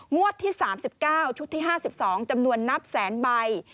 งวดที่๓๙ชุดที่๕๒จำนวนนับแสนใบ